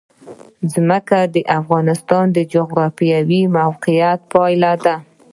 ځمکه د افغانستان د جغرافیایي موقیعت پایله ده.